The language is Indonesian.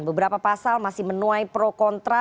beberapa pasal masih menuai pro kontra